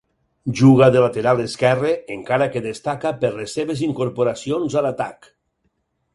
Juga de lateral esquerre, encara que destaca per les seves incorporacions a l'atac.